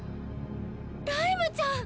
ライムちゃん！